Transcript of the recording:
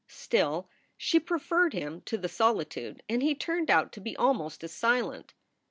Still, she preferred him to the solitude, and he turned out to be almost as silent.